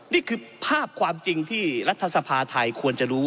นี่คือภาพความจริงที่รัฐสภาไทยควรจะรู้